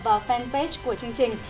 vào fanpage của chương trình